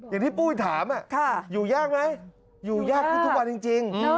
อย่างที่ปุ้ยถามอยู่แยกไหมอยู่แยกทุกวันจริง